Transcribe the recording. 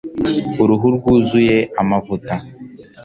uruhu rwuzuye amavuta